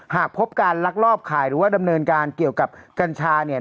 หากพบการลักลอบขายหรือว่าดำเนินการเกี่ยวกับกัญชาเนี่ย